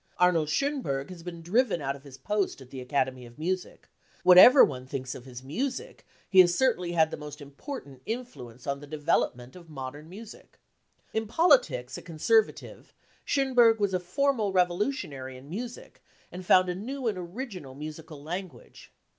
Arnold Schonberg has been driven out of his post at the Academy of Music ; whatever one «»w£hinks of his music, he has certainly had the most important influence on the development of modern music. In politics a conservative, Schonberg was a formal revolutionary in music, and found a new and original musical language.